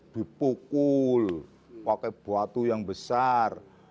dipukul pakai batu yang besar